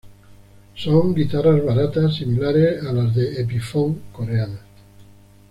Son guitarras baratas, similares a las Epiphone coreanas.